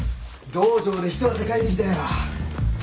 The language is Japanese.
道場でひと汗かいてきたよ。